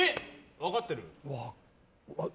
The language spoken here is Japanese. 分かってる？